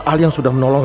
kalau berdoa seperti lagi